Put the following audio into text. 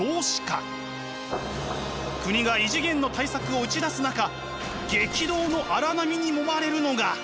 国が異次元の対策を打ち出す中激動の荒波にもまれるのが。